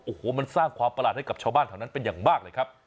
โอ้โหมันสร้างความประหลาดให้กับชาวบ้านแถวนั้นเป็นอย่างมากเลยครับ